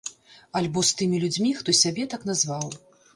Альбо з тымі людзьмі, хто сябе так назваў.